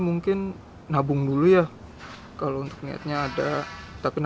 yang penting untuk baru baru ada anak kecil